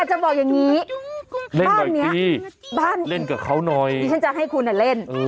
ใช้เมียได้ตลอด